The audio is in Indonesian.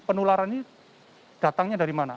penularan ini datangnya dari mana